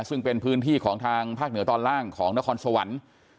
ซึ่งเป็นพื้นที่ของทางภาคเหนือตอนล่างของนครสวรรค์